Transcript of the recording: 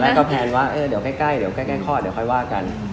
แล้วก็แพลนว่าเดี๋ยวใกล้คลอดค่อยว่ากัน